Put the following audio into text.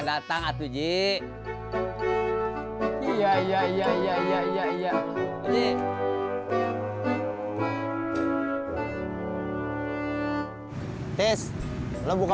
ganti dulu smoke